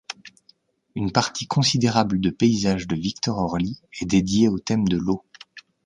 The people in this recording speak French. Une partie considérable de paysages de Victor Orly est dédiée au thème de l’eau.